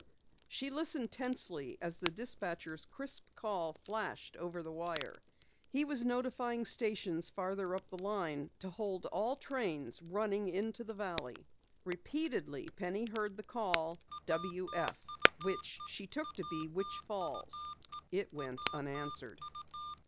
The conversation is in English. She listened tensely as the dispatcher's crisp call flashed over the wire. He was notifying stations farther up the line to hold all trains running into the valley. Repeatedly Penny heard the call "W F" which she took to be Witch Falls. It went unanswered.